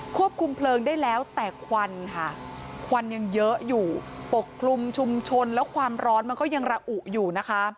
ควบคุมเพลิงได้แล้วแต่ควันค่ะควันยังเยอะอยู่ปกคลุมชุมชนแล้วความร้อนมันก็ยังระอุอยู่นะคะ